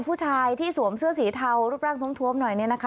ผู้ชายที่สวมเสื้อสีเทารูปร่างท้วมหน่อยเนี่ยนะคะ